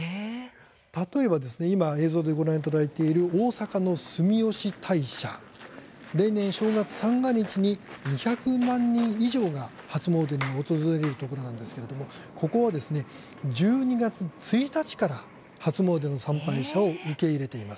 例えば今、映像でご覧いただいている大阪の住吉大社例年正月、三が日に２００万人以上が初詣に訪れるところなんですがここは１２月１日から初詣の参拝者を受け入れています。